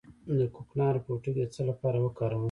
د کوکنارو پوټکی د څه لپاره وکاروم؟